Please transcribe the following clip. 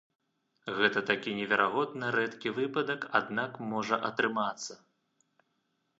Гэта такі неверагодна рэдкі выпадак, аднак, можа атрымацца.